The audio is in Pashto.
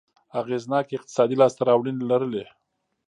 اغېزناکې اقتصادي لاسته راوړنې لرلې.